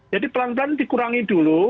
jadi pelan pelan dikurangi dulu